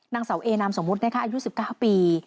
นางเสาเอนามสมมติอายุ๑๙ปี